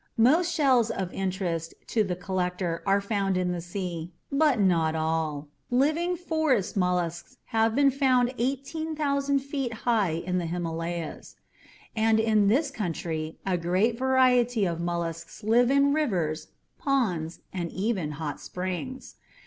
Most shells of interest to the collector are found in the sea but not all. Living forest mollusks have been found 18,000 feet high in the Himalayas. And in this country a great variety of mollusks live in rivers, ponds, and even hot springs.